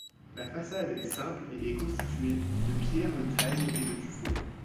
La façade est simple et est constituée de pierre de taille et de tuffeau.